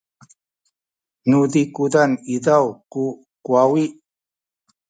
nu zikuzan izaw ku kuwawi